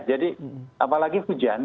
jadi apalagi hujan